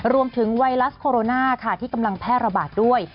รวมถึงไวรัสโคโรนาที่กำลังแพร่ระบาดด้วย